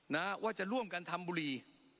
นะว่าจะร่วมกันทำบุหรี่